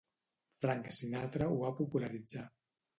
Frank Sinatra ho va popularitzar.